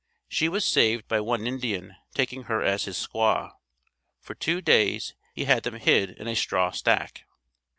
She was saved by one Indian taking her as his squaw. For two days, he had them hid in a straw stack.